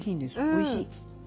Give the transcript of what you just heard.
おいしい。